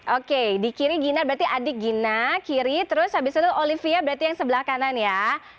oke di kiri gina berarti adik gina kiri terus habis itu olivia berarti yang sebelah kanan ya